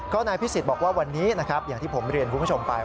ก็นายพิศิษฐ์บอกว่าวันนี้อย่างที่ผมเรียนคุณผู้ชมไป